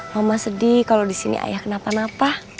mama sedih kalau disini ayah kenapa napa